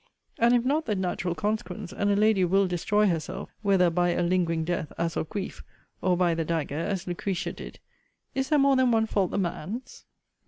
And if not the natural consequence, and a lady will destroy herself, whether by a lingering death, as of grief; or by the dagger, as Lucretia did; is there more than one fault the man's?